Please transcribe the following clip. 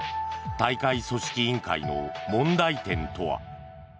大会組織委員会の問題点とは。